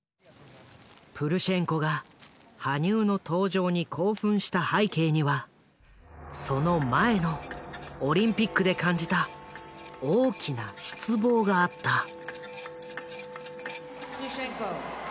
プルシェンコが羽生の登場に興奮した背景にはその前のオリンピックで感じた大きな失望があった。